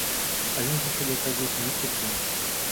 А ён заўсёды аказваецца ні пры чым.